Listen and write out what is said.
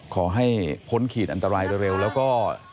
ขอให้พ้นขีดอันตรายเร็วแล้วก็